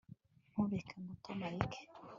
ntureke ngo tom areke